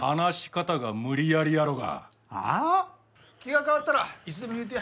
気が変わったらいつでも言うてや。